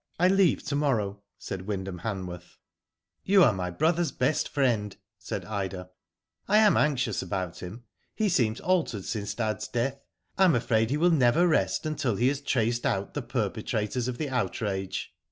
I leave to morrow," said Wyndham Hanworth. E 2 Digitized byGoogk 52 WHO DID IT? "You are my brother's best friend," said Ida. " I am anxious about him. He seems altered since dad's death. I am afraid he will never rest until he has traced out the perpetrators of the outrage."